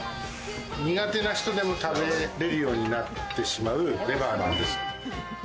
苦手な人でも食べれるようになってしまうレバーなんです。